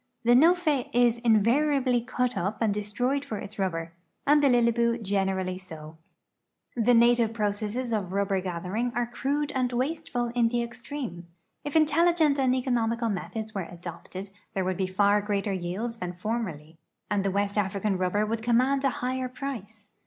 The "note" is invariably cut up and destroved for its rul)l)er, and the "lilibue " generally so. 88 RECENT EX PL OR A TIONS IN EQ UA TORI A L A FRICA The native processes of rubber gathering are crude and waste ful in the extreme. If intelligent and economical methods were adopted, there would be far greater yields than formerly, and the west African rubber would command a higher price.